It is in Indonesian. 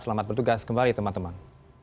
selamat bertugas kembali teman teman